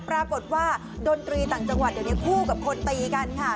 ปรากฏว่าดนตรีต่างจังหวัดเดี๋ยวนี้คู่กับคนตีกันค่ะ